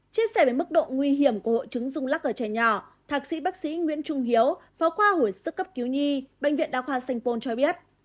chia sẻ về mức độ nguy hiểm của hội chứng dùng lọc ở trẻ nhỏ thạc sĩ bác sĩ nguyễn trung hiếu phó khoa hội sức cấp cứu nhi bệnh viện đa khoa sành phôn cho biết